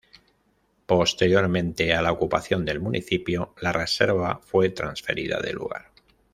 Posteriormente a la ocupación del municipio la reserva fue transferida de lugar.